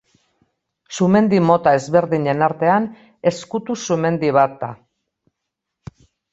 Sumendi mota ezberdinen artean, ezkutu sumendi bat da.